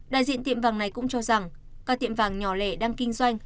đại diện tiệm vàng này cũng cho rằng các tiệm vàng nhỏ lẻ đang kinh doanh